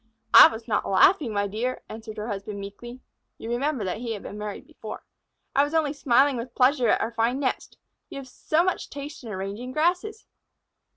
"I was not laughing, my dear," answered her husband meekly (you remember that he had been married before). "I was only smiling with pleasure at our fine nest. You have so much taste in arranging grasses!"